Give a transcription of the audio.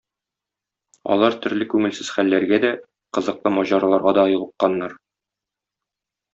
Алар төрле күңелсез хәлләргә дә, кызыклы маҗараларга да юлыкканнар.